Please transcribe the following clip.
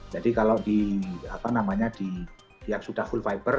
jadi kalau yang sudah full fiber